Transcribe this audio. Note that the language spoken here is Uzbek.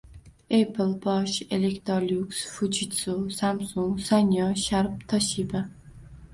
Apple, Bosch, Electolux, Fujitsu, Samsung, Sanyo, Sharp, Toshiba